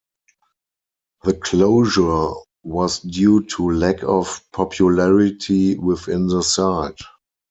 The closure was due to lack of popularity within the site.